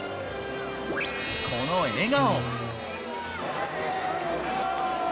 この笑顔。